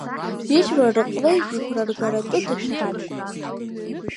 Ижәлар рҟны игәра ргаратәы дышәхьан.